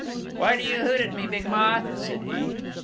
"Why do you hoot at me, Big Moth?" said he.